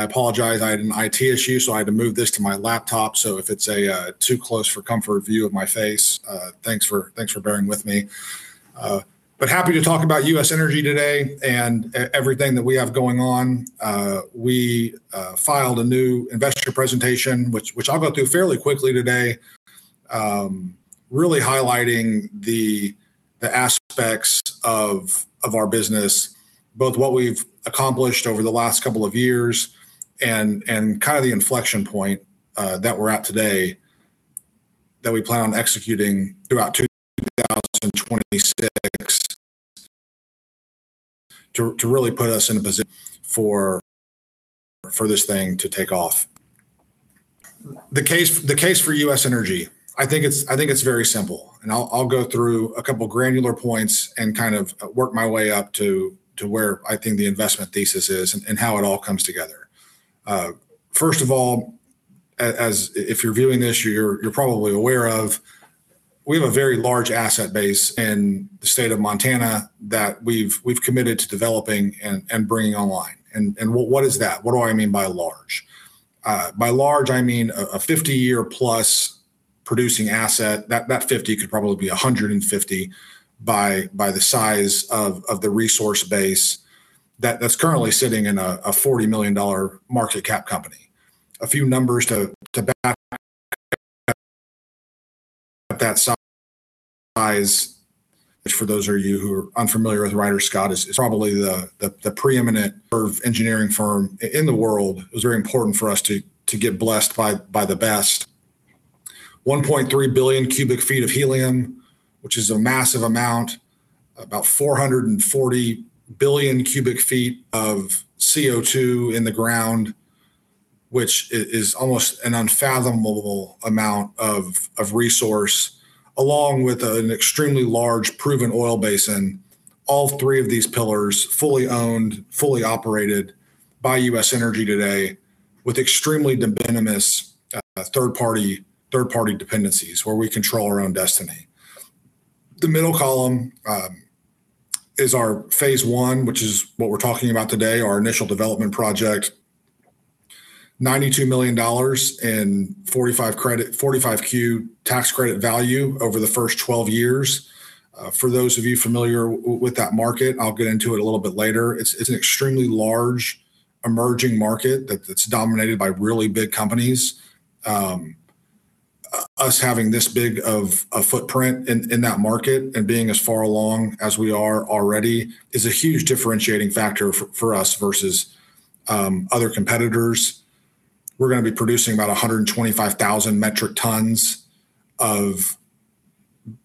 I apologize. I had an IT issue, so I had to move this to my laptop. If it's a too close for comfort view of my face, thanks for bearing with me. Happy to talk about U.S. Energy today and everything that we have going on. We filed a new investor presentation, which I'll go through fairly quickly today. Really highlighting the aspects of our business, both what we've accomplished over the last couple of years and kind of the inflection point that we're at today, that we plan on executing throughout 2026, to really put us in a position for this thing to take off. The case for U.S. Energy, I think it's very simple, and I'll go through a couple granular points and kind of work my way up to where I think the investment thesis is and how it all comes together. First of all, as if you're viewing this, you're probably aware of, we have a very large asset base in the state of Montana that we've committed to developing and bringing online. What is that? What do I mean by large? By large, I mean a 50-year plus producing asset. That 50 could probably be 150 by the size of the resource base that's currently sitting in a $40 million market cap company. A few numbers to back... that size. For those of you who are unfamiliar with Ryder Scott, is probably the preeminent engineering firm in the world. It was very important for us to get blessed by the best. 1.3 billion cubic feet of helium, which is a massive amount, about 440 billion cubic feet of CO2 in the ground, which is almost an unfathomable amount of resource, along with an extremely large proven oil basin. All three of these pillars, fully owned, fully operated by U.S. Energy today, with extremely de minimis third-party dependencies, where we control our own destiny. The middle column is our phase one, which is what we're talking about today, our initial development project. $92 million and 45Q tax credit value over the first 12 years. For those of you familiar with that market, I'll get into it a little bit later. It's an extremely large emerging market that's dominated by really big companies. Us having this big of a footprint in that market and being as far along as we are already, is a huge differentiating factor for us versus other competitors. We're gonna be producing about 125,000 metric tons of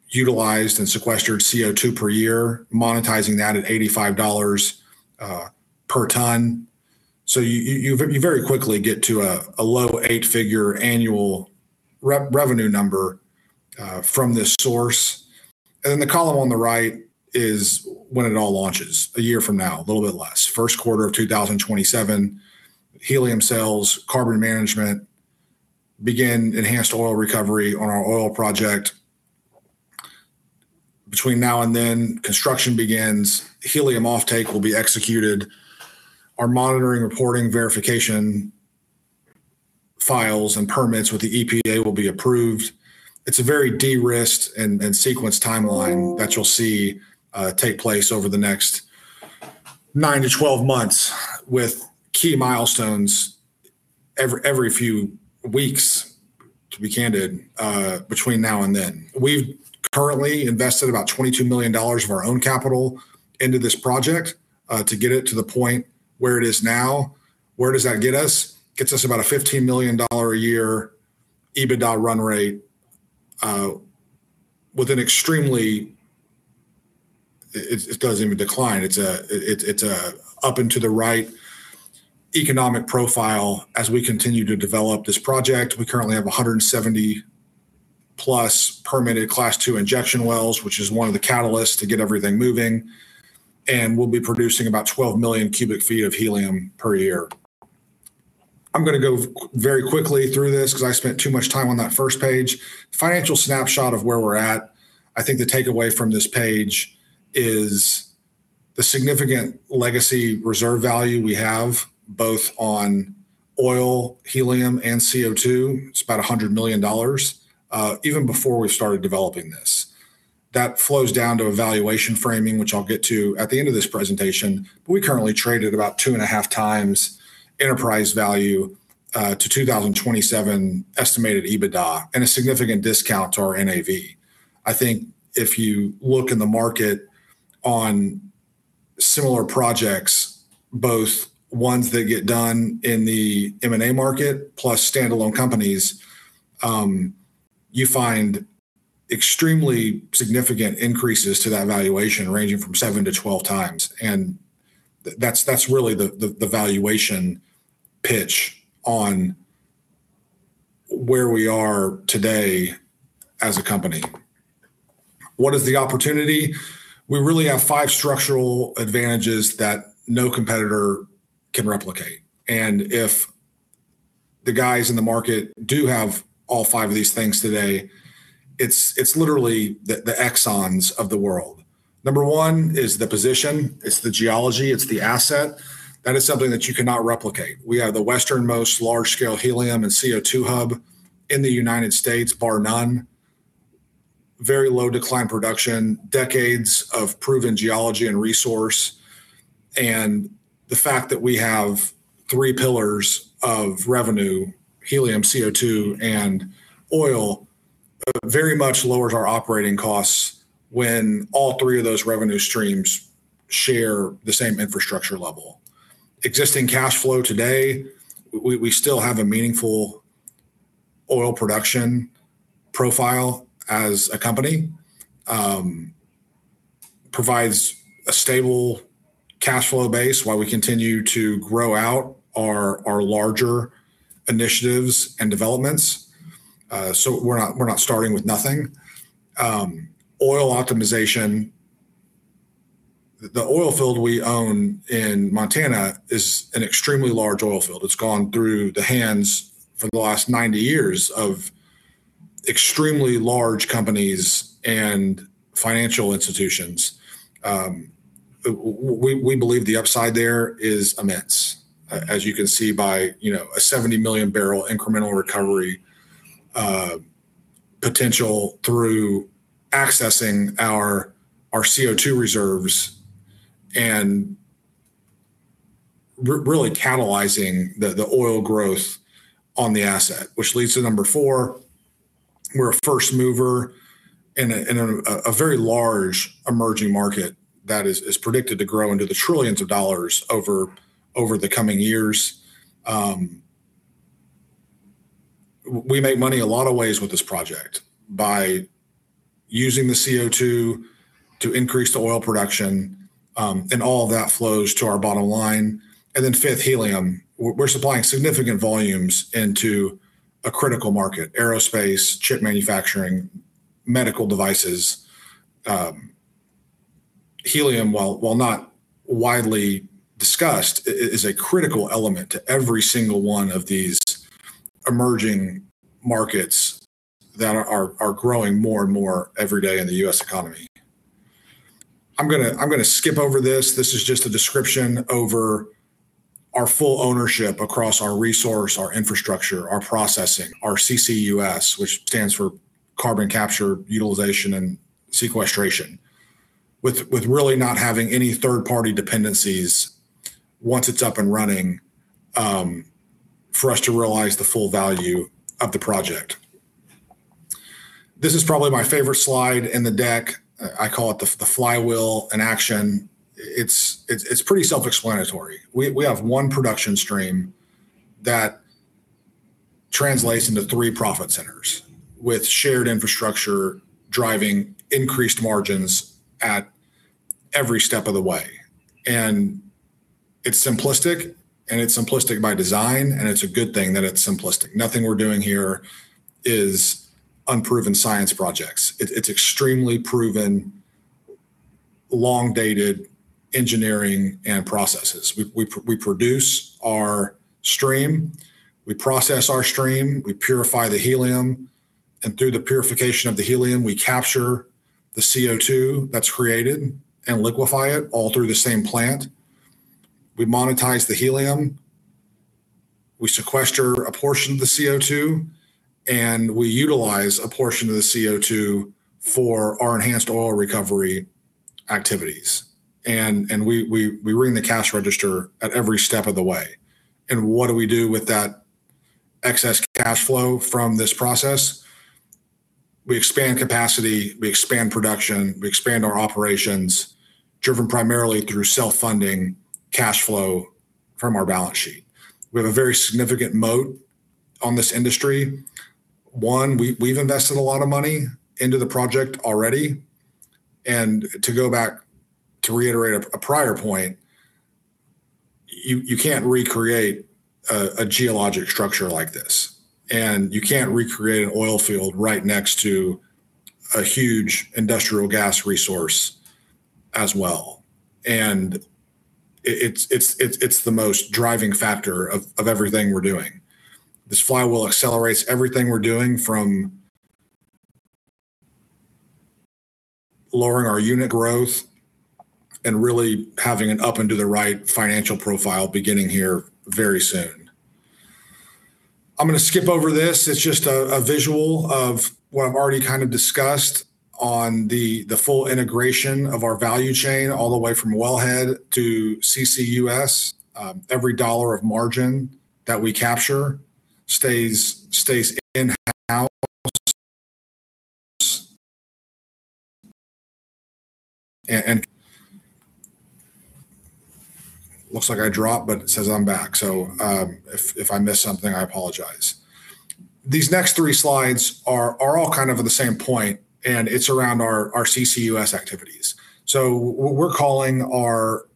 utilized and sequestered CO2 per year, monetizing that at $85 per ton. You very quickly get to a low 8-figure annual revenue number from this source. The column on the right is when it all launches, a year from now, a little bit less. First quarter of 2027, helium sales, carbon management, begin enhanced oil recovery on our oil project. Between now and then, construction begins, helium offtake will be executed. Our monitoring, reporting, verification, files, and permits with the EPA will be approved. It's a very de-risked and sequenced timeline that you'll see take place over the next 9 to 12 months, with key milestones every few weeks, to be candid, between now and then. We've currently invested about $22 million of our own capital into this project to get it to the point where it is now. Where does that get us? It gets us about a $15 million a year, EBITDA run rate, with an extremely... It doesn't even decline. It's a up and to the right economic profile as we continue to develop this project. We currently have 170+ permitted Class II injection wells, which is one of the catalysts to get everything moving, and we'll be producing about 12 million cubic feet of helium per year. I'm gonna go very quickly through this because I spent too much time on that first page. Financial snapshot of where we're at. I think the takeaway from this page is the significant legacy reserve value we have, both on oil, helium, and CO2. It's about $100 million even before we started developing this. That flows down to a valuation framing, which I'll get to at the end of this presentation. We currently trade at about 2.5x enterprise value to 2027 estimated EBITDA, and a significant discount to our NAV. I think if you look in the market on similar projects, both ones that get done in the M&A market, plus standalone companies, you find extremely significant increases to that valuation, ranging from 7-12 times. That's really the valuation pitch on where we are today as a company. What is the opportunity? We really have five structural advantages that no competitor can replicate. The guys in the market do have all five of these things today. It's literally the Exxons of the world. Number one is the position, it's the geology, it's the asset. That is something that you cannot replicate. We have the westernmost large-scale helium and CO2 hub in the United States, bar none. Very low decline production, decades of proven geology and resource, and the fact that we have 3 pillars of revenue: helium, CO2, and oil, very much lowers our operating costs when all 3 of those revenue streams share the same infrastructure level. Existing cash flow today, we still have a meaningful oil production profile as a company. Provides a stable cash flow base while we continue to grow out our larger initiatives and developments. We're not starting with nothing. Oil optimization. The oil field we own in Montana is an extremely large oil field. It's gone through the hands, for the last 90 years, of extremely large companies and financial institutions. We, we believe the upside there is immense, as you can see by, you know, a 70 million barrel incremental recovery potential through accessing our CO2 reserves and really catalyzing the oil growth on the asset. Which leads to number 4, we're a first mover in a very large emerging market that is predicted to grow into the $ trillions over the coming years. We make money a lot of ways with this project: by using the CO2 to increase the oil production, and all of that flows to our bottom line. Fifth, helium. We're supplying significant volumes into a critical market: aerospace, chip manufacturing, medical devices. Helium, while not widely discussed, is a critical element to every single one of these emerging markets that are growing more and more every day in the U.S. economy. I'm going to skip over this. This is just a description over our full ownership across our resource, our infrastructure, our processing, our CCUS, which stands for carbon capture, utilization, and sequestration, with really not having any third-party dependencies once it's up and running, for us to realize the full value of the project. This is probably my favorite slide in the deck. I call it the flywheel in action. It's pretty self-explanatory. We have one production stream that translates into three profit centers, with shared infrastructure driving increased margins at every step of the way. It's simplistic, and it's simplistic by design, and it's a good thing that it's simplistic. Nothing we're doing here is unproven science projects. It's extremely proven, long-dated engineering and processes. We produce our stream, we process our stream, we purify the helium. Through the purification of the helium, we capture the CO2 that's created and liquefy it all through the same plant. We monetize the helium, we sequester a portion of the CO2. We utilize a portion of the CO2 for our enhanced oil recovery activities. We ring the cash register at every step of the way. What do we do with that excess cash flow from this process? We expand capacity, we expand production, we expand our operations, driven primarily through self-funding cash flow from our balance sheet. We have a very significant moat on this industry. One, we've invested a lot of money into the project already. To go back to reiterate a prior point, you can't recreate a geologic structure like this, and you can't recreate an oil field right next to a huge industrial gas resource as well. It's the most driving factor of everything we're doing. This flywheel accelerates everything we're doing, from lowering our unit growth and really having an up and to the right financial profile beginning here very soon. I'm gonna skip over this. It's just a visual of what I've already kind of discussed on the full integration of our value chain, all the way from wellhead to CCUS. Every dollar of margin that we capture stays in-house. Looks like I dropped, but it says I'm back. If, if I missed something, I apologize. These next three slides are all kind of on the same point, and it's around our CCUS activities. What we're calling our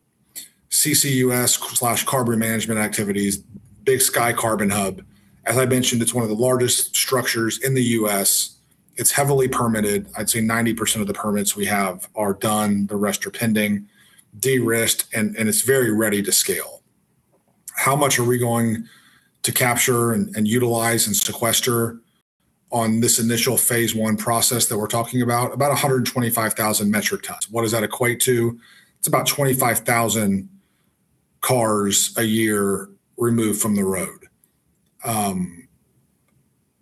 CCUS/carbon management activities, Big Sky Carbon Hub. As I mentioned, it's one of the largest structures in the U.S. It's heavily permitted. I'd say 90% of the permits we have are done, the rest are pending, de-risked, and it's very ready to scale. How much are we going to capture and utilize and sequester on this initial phase one process that we're talking about? About 125,000 metric tons. What does that equate to? It's about 25,000 cars a year removed from the road.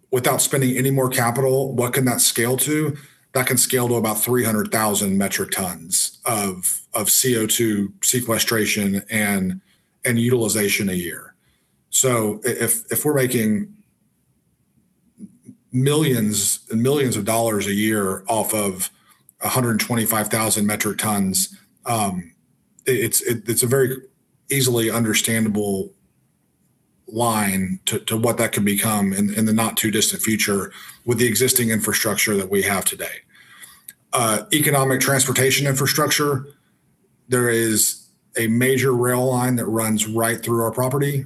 Without spending any more capital, what can that scale to? That can scale to about 300,000 metric tons of CO2 sequestration and utilization a year. If we're making $ millions and millions a year off of 125,000 metric tons, it's a very easily understandable line to what that can become in the not-too-distant future with the existing infrastructure that we have today. Economic transportation infrastructure. There is a major rail line that runs right through our property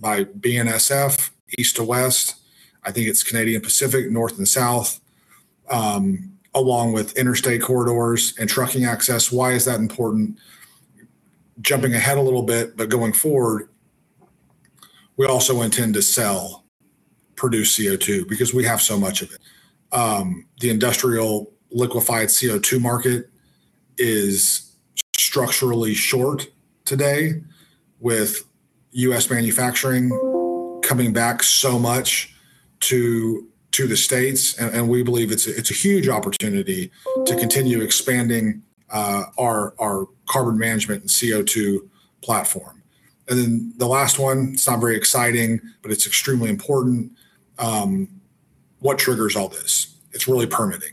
by BNSF, east to west. I think it's Canadian Pacific, north and south, along with interstate corridors and trucking access. Why is that important? Jumping ahead a little bit, going forward, we also intend to sell produced CO2 because we have so much of it. The industrial liquefied CO2 market is structurally short today, with U.S. manufacturing coming back so much to the States, and we believe it's a huge opportunity to continue expanding our carbon management and CO2 platform. The last one, it's not very exciting, but it's extremely important. What triggers all this? It's really permitting.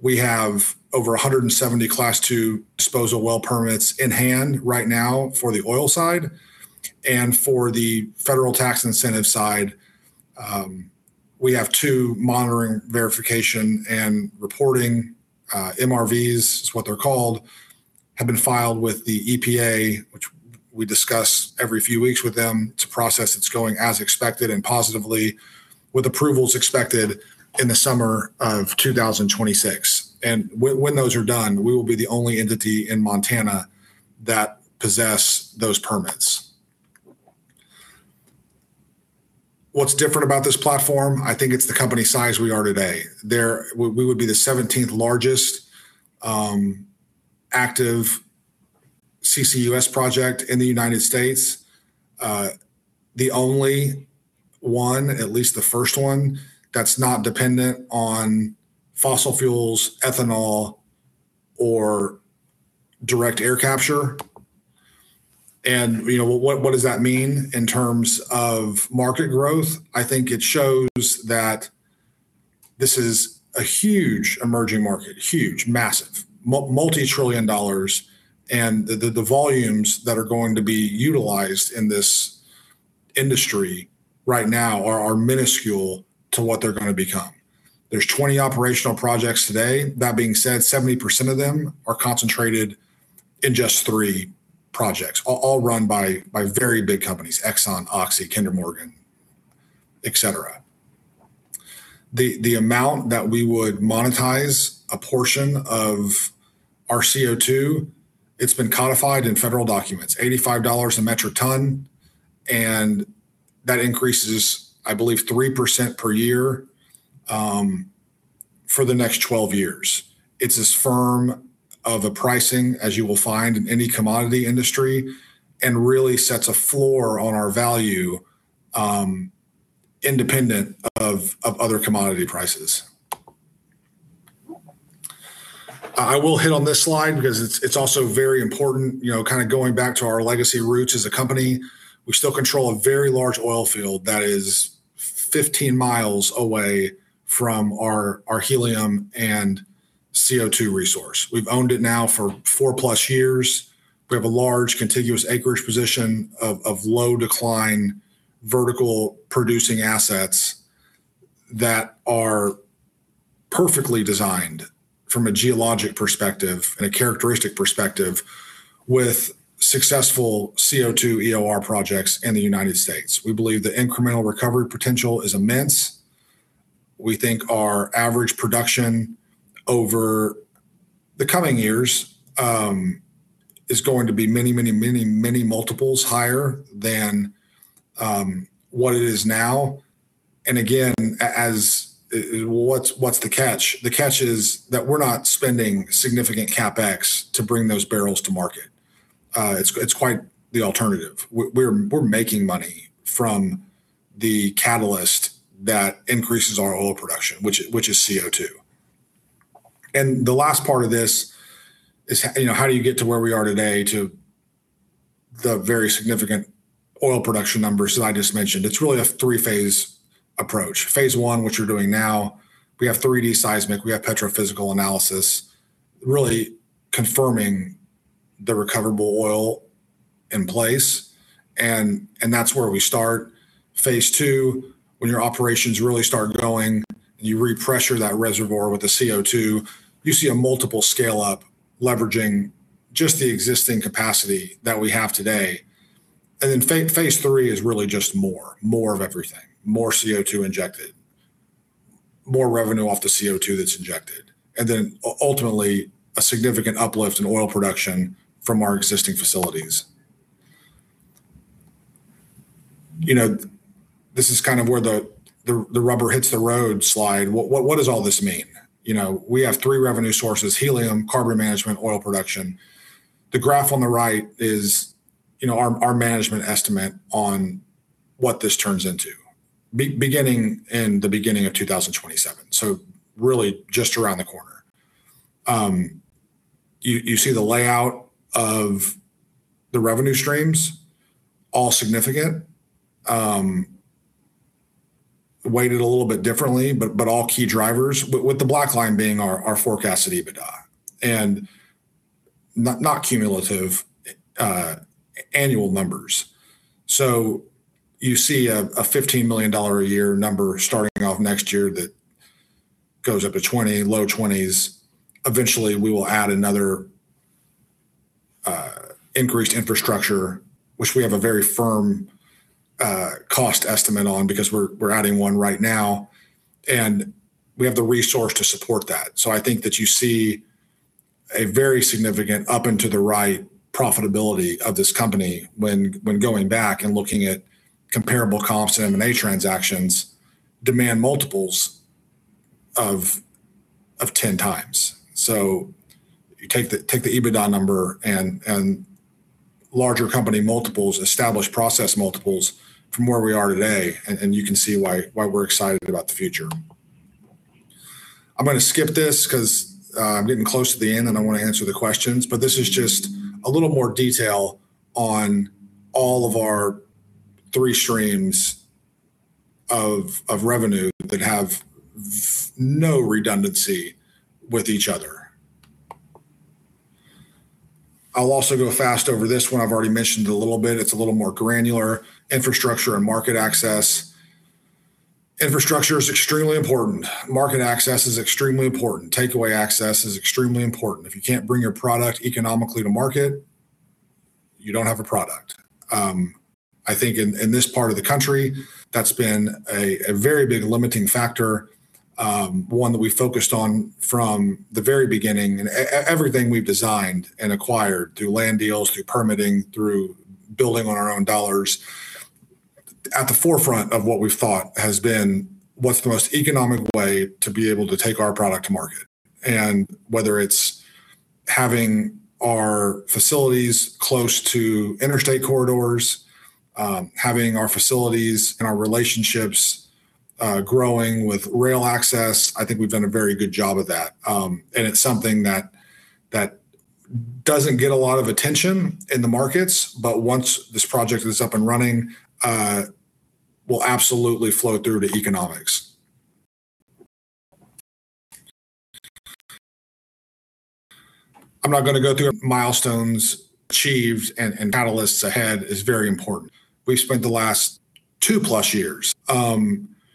We have over 170 Class II disposal well permits in hand right now for the oil side, for the federal tax incentive side, we have two Monitoring, Reporting and Verification, MRVs is what they're called, have been filed with the EPA, which we discuss every few weeks with them. It's a process that's going as expected and positively, with approvals expected in the summer of 2026. When those are done, we will be the only entity in Montana that possess those permits. What's different about this platform? I think it's the company size we are today. We would be the 17th largest active CCUS project in the United States. The only one, at least the first one, that's not dependent on fossil fuels, ethanol, or direct air capture. You know, what does that mean in terms of market growth? I think it shows that this is a huge emerging market. Huge, massive, multi-trillion dollars, and the volumes that are going to be utilized in this industry right now are minuscule to what they're gonna become. There's 20 operational projects today. That being said, 70% of them are concentrated in just 3 projects, all run by very big companies: Exxon, Oxy, Kinder Morgan, et cetera. The amount that we would monetize a portion of our CO2, it's been codified in federal documents, $85 a metric ton, and that increases, I believe, 3% per year, for the next 12 years. It's as firm of a pricing as you will find in any commodity industry and really sets a floor on our value, independent of other commodity prices. I will hit on this slide because it's also very important. You know, kind of going back to our legacy roots as a company. We still control a very large oil field that is 15 miles away from our helium and CO2 resource. We've owned it now for 4+ years. We have a large contiguous acreage position of low-decline, vertical-producing assets that are perfectly designed from a geologic perspective and a characteristic perspective with successful CO2 EOR projects in the United States. We believe the incremental recovery potential is immense. We think our average production over the coming years is going to be many multiples higher than what it is now. What's the catch? The catch is that we're not spending significant CapEx to bring those barrels to market. It's quite the alternative. We're making money from the catalyst that increases our oil production, which is CO2. The last part of this is you know, how do you get to where we are today to the very significant oil production numbers that I just mentioned? It's really a three-phase approach. phase one, which we're doing now, we have 3D seismic, we have petrophysical analysis, really confirming the recoverable oil in place, and that's where we start. phase two, when your operations really start going, and you repressure that reservoir with the CO2, you see a multiple scale-up, leveraging just the existing capacity that we have today. phase three is really just more of everything. More CO2 injected, more revenue off the CO2 that's injected, and ultimately, a significant uplift in oil production from our existing facilities. You know, this is kind of where the rubber hits the road slide. What does all this mean? You know, we have three revenue sources: helium, carbon management, oil production. The graph on the right is, you know, our management estimate on what this turns into beginning in the beginning of 2027, so really just around the corner. You see the layout of the revenue streams, all significant, weighted a little bit differently, but all key drivers. With the black line being our forecast at EBITDA and not cumulative, annual numbers. You see a $15 million a year number starting off next year that goes up to 20, low 20s. Eventually, we will add another, increased infrastructure, which we have a very firm, cost estimate on because we're adding one right now, and we have the resource to support that. I think that you see a very significant up and to the right profitability of this company when going back and looking at comparable comps to M&A transactions, demand multiples of 10 times. You take the EBITDA number and larger company multiples, established process multiples from where we are today, and you can see why we're excited about the future. I'm gonna skip this 'cause I'm getting close to the end, and I want to answer the questions, but this is just a little more detail on all of our three streams of revenue that have no redundancy with each other. I'll also go fast over this one. I've already mentioned a little bit. It's a little more granular. Infrastructure and market access. Infrastructure is extremely important. Market access is extremely important. Takeaway access is extremely important. If you can't bring your product economically to market, you don't have a product. I think in this part of the country, that's been a very big limiting factor, one that we focused on from the very beginning. Everything we've designed and acquired through land deals, through permitting, through building on our own dollars, at the forefront of what we've thought has been: what's the most economic way to be able to take our product to market? Whether it's having our facilities close to interstate corridors, having our facilities and our relationships growing with rail access, I think we've done a very good job of that. It's something that doesn't get a lot of attention in the markets, but once this project is up and running, will absolutely flow through to economics. I'm not gonna go through our milestones achieved and catalysts ahead is very important. We've spent the last 2 plus years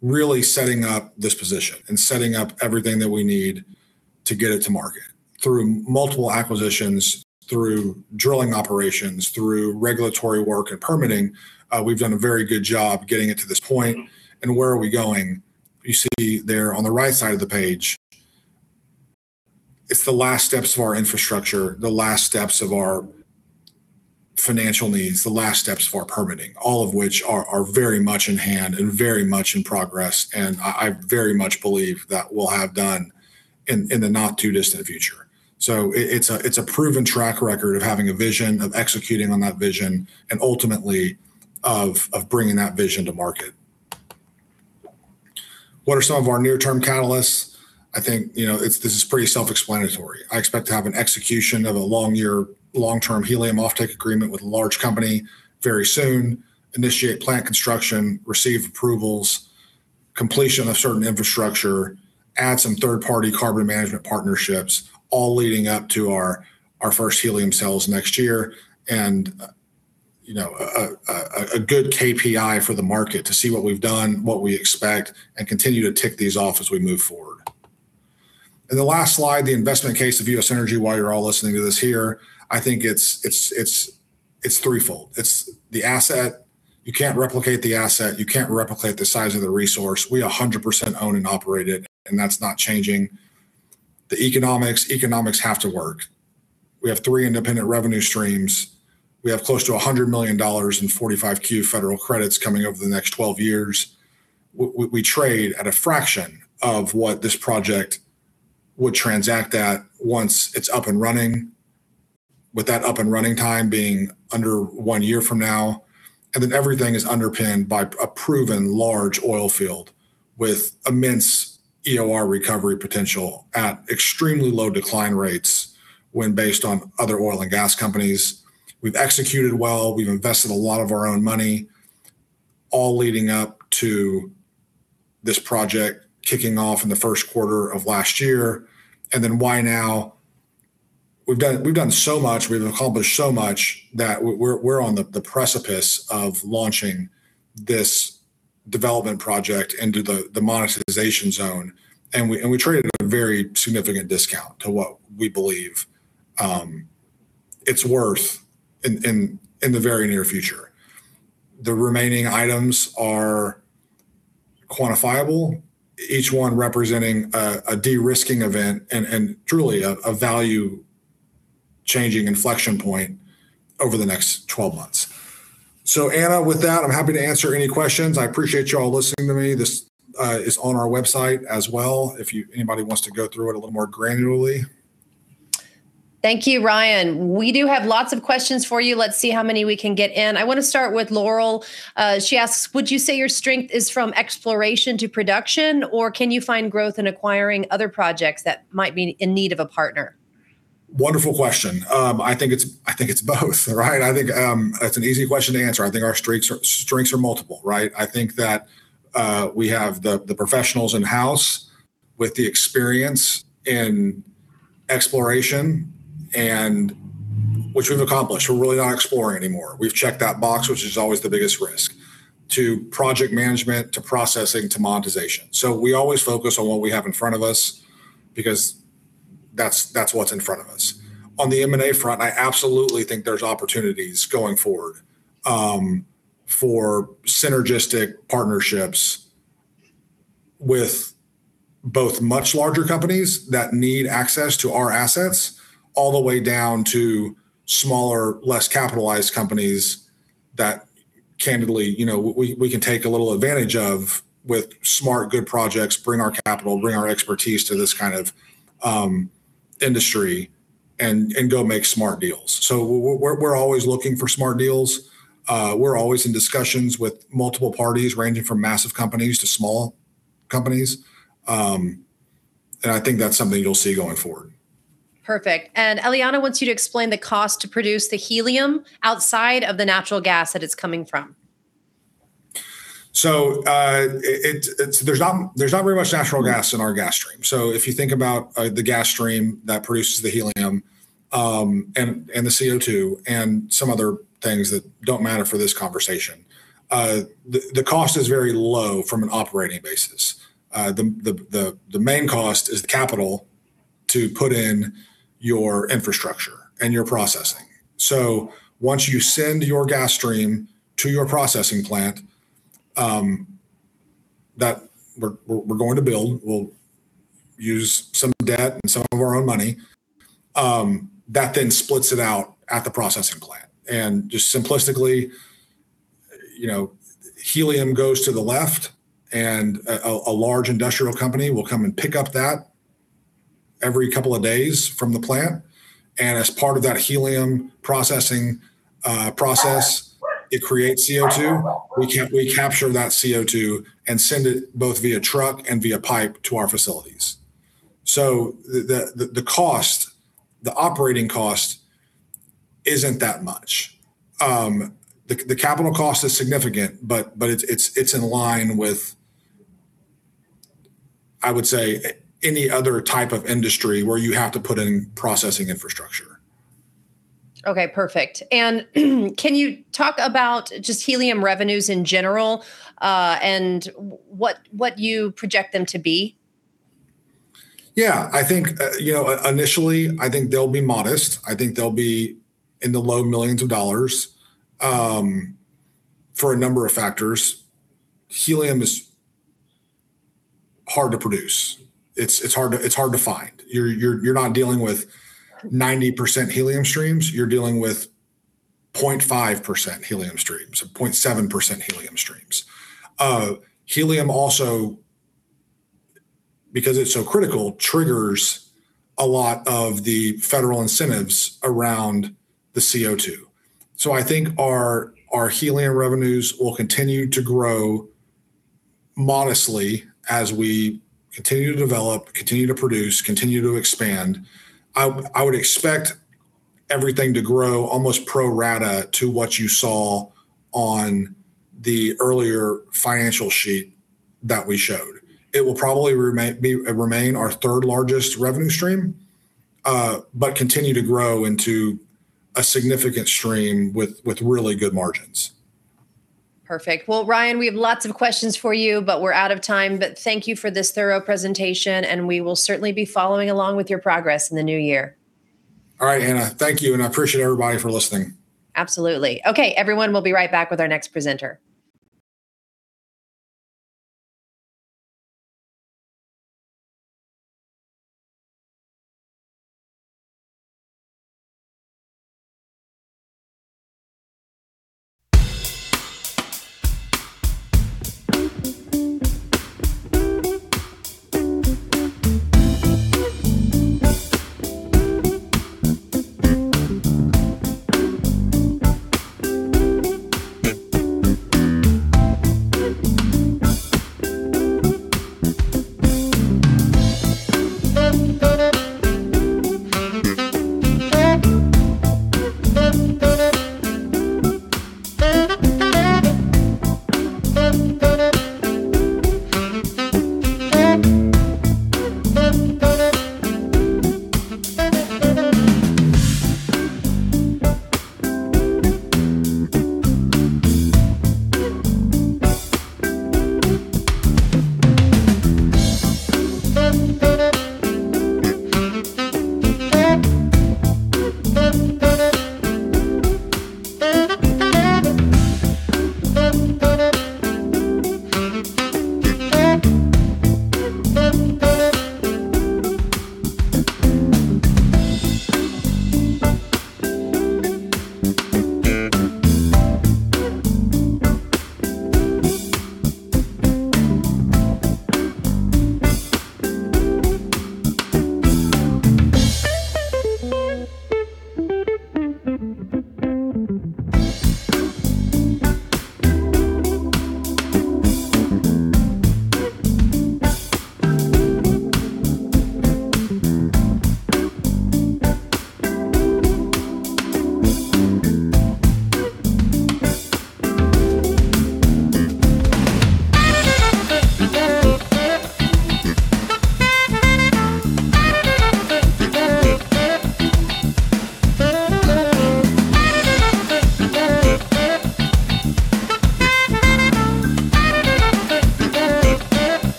really setting up this position and setting up everything that we need to get it to market. Through multiple acquisitions, through drilling operations, through regulatory work and permitting, we've done a very good job getting it to this point. Where are we going? You see there on the right side of the page, it's the last steps of our infrastructure, the last steps of our financial needs, the last steps of our permitting, all of which are very much in hand and very much in progress, and I very much believe that we'll have done in the not-too-distant future. It, it's a, it's a proven track record of having a vision, of executing on that vision, and ultimately of bringing that vision to market. What are some of our near-term catalysts? I think, you know, this is pretty self-explanatory. I expect to have an execution of a long-term helium offtake agreement with a large company very soon, initiate plant construction, receive approvals, completion of certain infrastructure, add some third-party carbon management partnerships, all leading up to our first helium sales next year. You know, a, a good KPI for the market to see what we've done, what we expect, and continue to tick these off as we move forward. The last slide, the investment case of U.S. Energy, while you're all listening to this here, I think it's, it's threefold. It's the asset. You can't replicate the asset. You can't replicate the size of the resource. We 100% own and operate it, and that's not changing. The economics. Economics have to work. We have three independent revenue streams. We have close to $100 million in 45Q federal credits coming over the next 12 years. We trade at a fraction of what this project would transact at once it's up and running, with that up-and-running time being under one year from now. Everything is underpinned by a proven large oil field with immense EOR recovery potential at extremely low decline rates when based on other oil and gas companies. We've executed well. We've invested a lot of our own money, all leading up to this project kicking off in the first quarter of last year. Why now? We've done so much, we've accomplished so much that we're on the precipice of launching this development project into the monetization zone, and we traded at a very significant discount to what we believe it's worth in the very near future. The remaining items are quantifiable, each one representing a de-risking event and truly a value-changing inflection point over the next 12 months. Anna, with that, I'm happy to answer any questions. I appreciate you all listening to me. This is on our website as well, if anybody wants to go through it a little more granularly. Thank you, Ryan. We do have lots of questions for you. Let's see how many we can get in. I want to start with Laurel. She asks, "Would you say your strength is from exploration to production, or can you find growth in acquiring other projects that might be in need of a partner? Wonderful question. I think it's both, right? I think that's an easy question to answer. I think our strengths are multiple, right? I think that we have the professionals in-house with the experience in exploration and which we've accomplished. We're really not exploring anymore. We've checked that box, which is always the biggest risk, to project management, to processing, to monetization. We always focus on what we have in front of us because that's what's in front of us. On the M&A front, I absolutely think there's opportunities going forward, for synergistic partnerships with both much larger companies that need access to our assets, all the way down to smaller, less capitalized companies that candidly, you know, we can take a little advantage of with smart, good projects, bring our capital, bring our expertise to this kind of industry, and go make smart deals. We're always looking for smart deals. We're always in discussions with multiple parties, ranging from massive companies to small companies. I think that's something you'll see going forward. Perfect. Eliana wants you to explain the cost to produce the helium outside of the natural gas that it's coming from? There's not very much natural gas in our gas stream. If you think about the gas stream that produces the helium, and the CO2, and some other things that don't matter for this conversation, the cost is very low from an operating basis. The main cost is the capital to put in your infrastructure and your processing. Once you send your gas stream to your processing plant, that we're going to build, we'll use some debt and some of our own money, that then splits it out at the processing plant. Just simplistically, you know, helium goes to the left, and a large industrial company will come and pick up that every couple of days from the plant. As part of that helium processing process, it creates CO2. We capture that CO2 and send it both via truck and via pipe to our facilities. The operating cost isn't that much. The capital cost is significant, but it's in line with, I would say, any other type of industry where you have to put in processing infrastructure. Okay, perfect. Can you talk about just helium revenues in general, and what you project them to be? Yeah. I think, you know, initially, I think they'll be modest. I think they'll be in the low millions of dollars for a number of factors. Helium is hard to produce. It's, it's hard to, it's hard to find. You're not dealing with 90% helium streams. You're dealing with 0.5% helium streams or 0.7% helium streams. Helium also, because it's so critical, triggers a lot of the federal incentives around the CO2. I think our helium revenues will continue to grow modestly as we continue to develop, continue to produce, continue to expand. I would expect everything to grow almost pro rata to what you saw on the earlier financial sheet that we showed. It will probably be... remain our third largest revenue stream, but continue to grow into a significant stream with really good margins. Perfect. Well, Ryan, we have lots of questions for you, we're out of time. Thank you for this thorough presentation, and we will certainly be following along with your progress in the new year. All right, Anna. Thank you, and I appreciate everybody for listening. Absolutely. Okay, everyone, we'll be right back with our next presenter.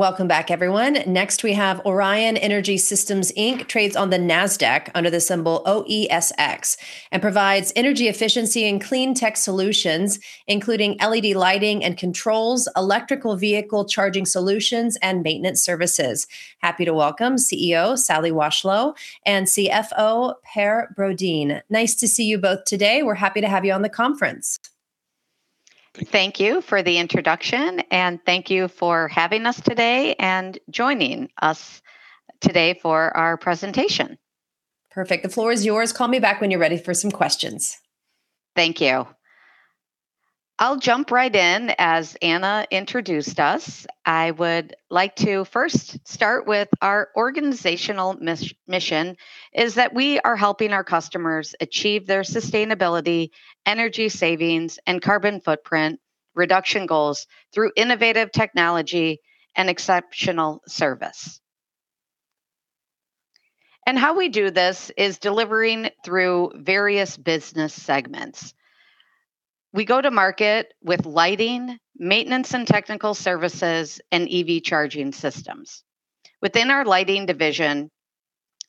Welcome back, everyone. Next, we have Orion Energy Systems, Inc. Trades on the Nasdaq under the symbol OESX, and provides energy efficiency and clean tech solutions, including LED lighting and controls, electrical vehicle charging solutions, and maintenance services. Happy to welcome CEO, Sally Washlow, and CFO, Per Brodin. Nice to see you both today. We're happy to have you on the conference. Thank you for the introduction, and thank you for having us today and joining us today for our presentation. Perfect. The floor is yours. Call me back when you're ready for some questions. Thank you. I'll jump right in. As Anna introduced us, I would like to first start with our organizational mission, is that we are helping our customers achieve their sustainability, energy savings, and carbon footprint reduction goals through innovative technology and exceptional service. How we do this is delivering through various business segments. We go to market with lighting, maintenance and technical services, and EV charging systems. Within our lighting division,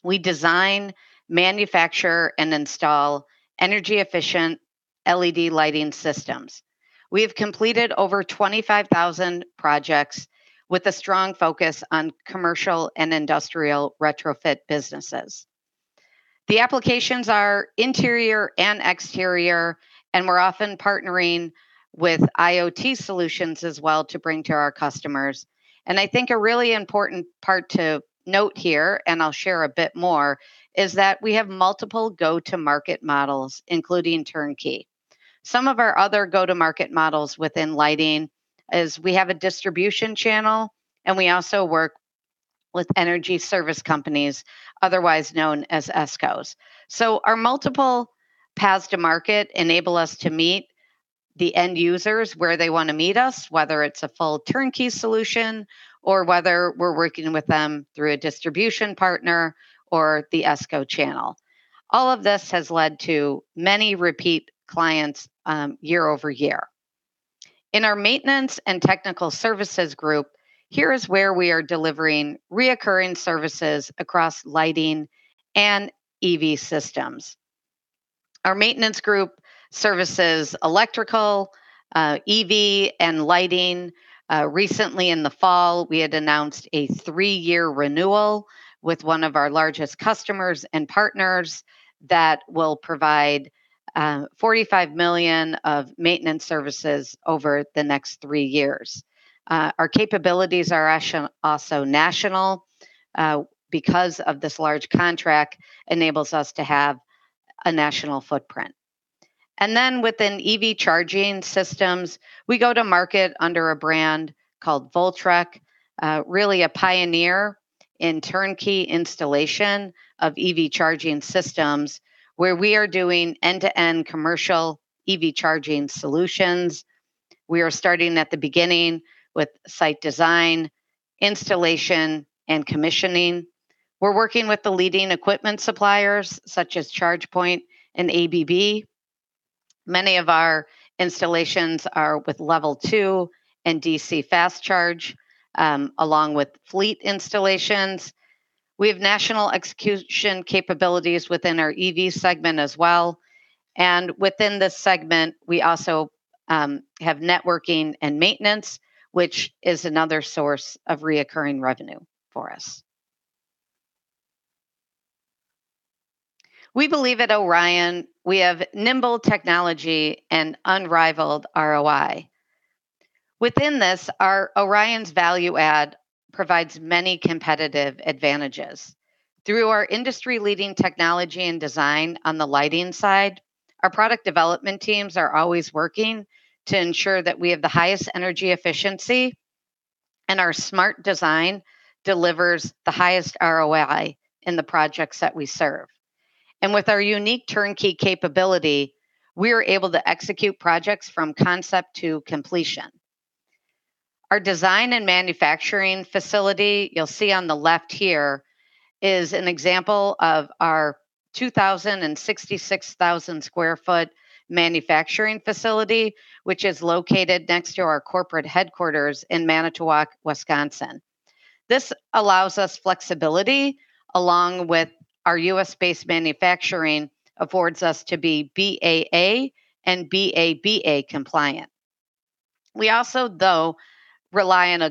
we design, manufacture, and install energy-efficient LED lighting systems. We have completed over 25,000 projects with a strong focus on commercial and industrial retrofit businesses. The applications are interior and exterior, and we're often partnering with IoT solutions as well to bring to our customers. I think a really important part to note here, and I'll share a bit more, is that we have multiple go-to-market models, including turnkey. Some of our other go-to-market models within lighting is we have a distribution channel. We also work with energy service companies, otherwise known as ESCOs. Our multiple paths to market enable us to meet the end users where they wanna meet us, whether it's a full turnkey solution or whether we're working with them through a distribution partner or the ESCO channel. All of this has led to many repeat clients, year over year. In our maintenance and technical services group, here is where we are delivering recurring services across lighting and EV systems. Our maintenance group services electrical, EV, and lighting. Recently in the fall, we had announced a three-year renewal with one of our largest customers and partners that will provide $45 million of maintenance services over the next three years. Our capabilities are actually also national, because of this large contract enables us to have a national footprint. Within EV charging systems, we go to market under a brand called Voltrek, really a pioneer in turnkey installation of EV charging systems, where we are doing end-to-end commercial EV charging solutions. We are starting at the beginning with site design, installation, and commissioning. We're working with the leading equipment suppliers, such as ChargePoint and ABB. Many of our installations are with Level 2 and DC Fast Charging, along with fleet installations. We have national execution capabilities within our EV segment as well, and within this segment, we also have networking and maintenance, which is another source of reoccurring revenue for us. We believe at Orion, we have nimble technology and unrivaled ROI. Within this, our Orion's value add provides many competitive advantages. Through our industry-leading technology and design on the lighting side, our product development teams are always working to ensure that we have the highest energy efficiency, our smart design delivers the highest ROI in the projects that we serve. With our unique turnkey capability, we are able to execute projects from concept to completion. Our design and manufacturing facility, you'll see on the left here, is an example of our 266,000 sq ft manufacturing facility, which is located next to our corporate headquarters in Manitowoc, Wisconsin. This allows us flexibility, along with our U.S.-based manufacturing, affords us to be BAA and BABA compliant. We also, though, rely on.